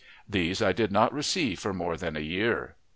These I did not receive for more than a year.